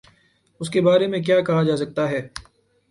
اس کے بارے میں کیا کہا جا سکتا ہے۔